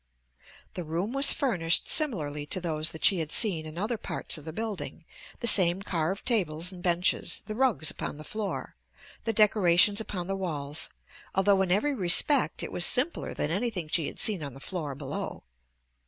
The room was furnished similarly to those that she had seen in other parts of the building, the same carved tables and benches, the rugs upon the floor, the decorations upon the walls, although in every respect it was simpler than anything she had seen on the floor below.